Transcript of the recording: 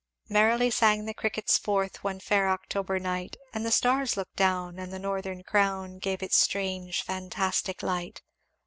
"Merrily sang the crickets forth One fair October night; And the stars looked down, and the northern crown Gave its strange fantastic light.